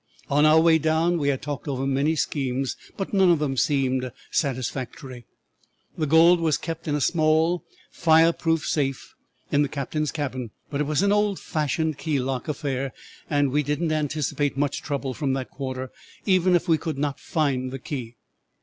On our way down we had talked over many schemes, but none of them seemed satisfactory. The gold was kept in a small fireproof safe in the captain's cabin, but it was an old fashioned key lock affair, and we did not anticipate much trouble from that quarter, even if we could not find the key.